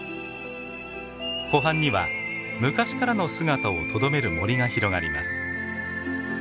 湖畔には昔からの姿をとどめる森が広がります。